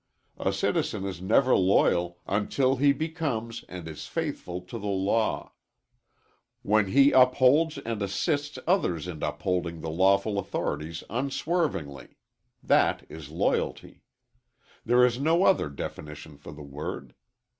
A citizen is never loyal until he becomes and is faithful to the law; when he upholds and assists others in upholding the lawful authorities unswervingly. That is loyalty. There is no other definition for the word.